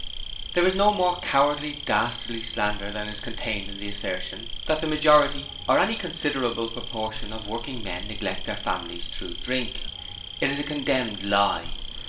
There is no more cowardly, dastardly slander than is contained in the assertion that the majority or any considerable proportion of working men neglect their families through drink. It is a condemned lie.